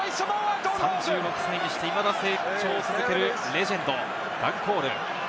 ３６歳にして、いまだ成長を続けるレジェンド、ダン・コール。